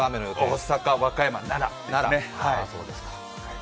大阪、和歌山、奈良ですね。